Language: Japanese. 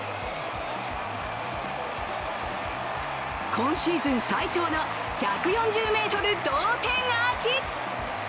今シーズン最長の１４０ｍ同点アーチ。